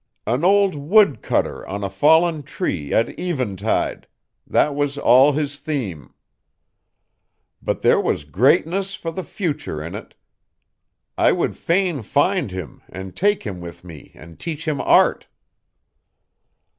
An old wood cutter on a fallen tree at eventide that was all his theme. But there was greatness for the future in it. I would fain find him, and take him with me and teach him Art."